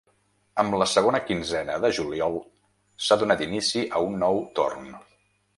Amb la segona quinzena de juliol s’ha donat inici a un nou torn.